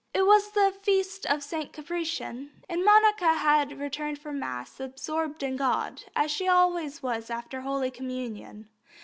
It was the feast of St. Cyprian, and Monica had returned from Mass absorbed in God, as she always was after Holy Communion.